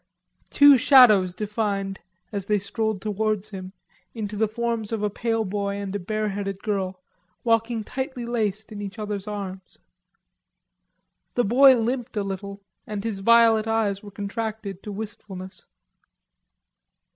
Two shadows defined, as they strolled towards him, into the forms of a pale boy and a bareheaded girl, walking tightly laced in each other's arms. The boy limped a little and his violet eyes were contracted to wistfulness.